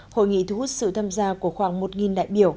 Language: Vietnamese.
hội nghị thu hút sự tham gia của khoảng một đại biểu